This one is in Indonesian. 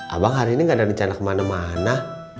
abang hari ini gak ada rencana kemana mana